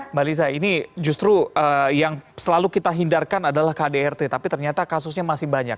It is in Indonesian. mbak lisa ini justru yang selalu kita hindarkan adalah kdrt tapi ternyata kasusnya masih banyak